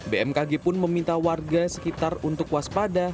bmkg pun meminta warga sekitar untuk waspada